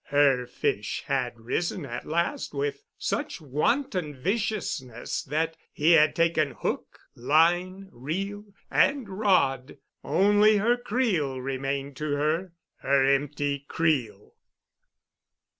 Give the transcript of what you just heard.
Her fish had risen at last with such wanton viciousness that he had taken hook, line, reel, and rod. Only her creel remained to her—her empty creel.